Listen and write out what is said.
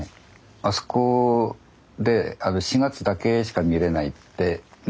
あそこで４月だけしか見れないってね